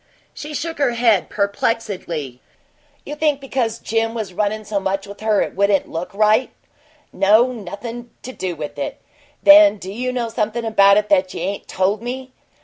She shook her head perplexedly. "You think because because Jim was runnin' so much with her it wouldn't look right?" "No. Nothin' to do with it." "Then do you know something about it that you ain't told me?"